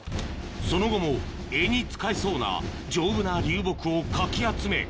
その後も柄に使えそうな丈夫な流木をかき集め